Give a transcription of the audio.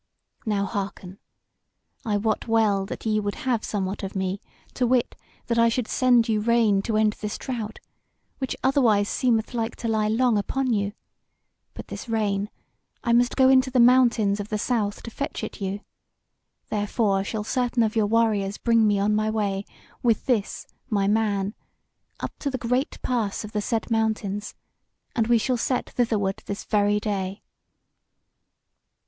Now hearken! I wot well that ye would have somewhat of me, to wit, that I should send you rain to end this drought, which otherwise seemeth like to lie long upon you: but this rain, I must go into the mountains of the south to fetch it you; therefore shall certain of your warriors bring me on my way, with this my man, up to the great pass of the said mountains, and we shall set out thitherward this very day."